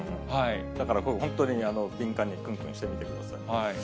だからこれ、本当に敏感にくんくんしてみてください。